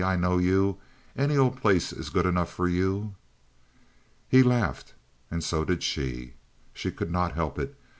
I know you. Any old place is good enough for you." He laughed, and so did she. She could not help it.